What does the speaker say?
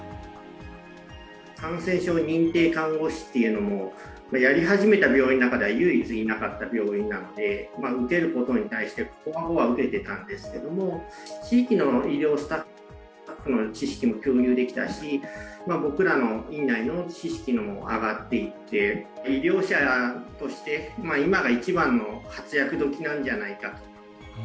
感染症認定看護師っていうのも、やり始めた病院の中では唯一いなかった病院なので、受けることに対して、こわごわもう受けてたんですけど、地域の医療スタッフなどの知識を共有できたし、僕らの院内の知識も上がっていって、医療者として、今が一番の活躍どきなんじゃないか。